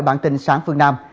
bản tin sáng phương nam